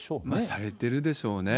されてるでしょうね。